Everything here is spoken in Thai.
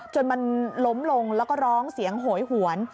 จนมันล้มลงแล้วก็ร้องเสียงโหยหวน